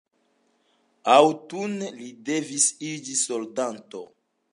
Aŭtune li devis iĝi soldato.